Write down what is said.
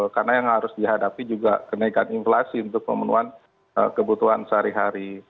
karena yang harus dihadapi juga kenaikan inflasi untuk pemenuhan kebutuhan sehari hari